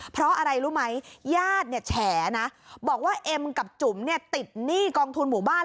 เพราะอะไรรู้ไหมญาติเนี่ยแฉนะบอกว่าเอ็มกับจุ๋มเนี่ยติดหนี้กองทุนหมู่บ้าน